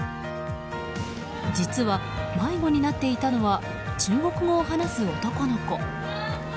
実は迷子になっていたのは中国語を話す男の子。